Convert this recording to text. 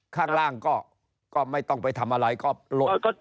ข้างล่างก็ไม่ต้องไปทำอะไรก็ลด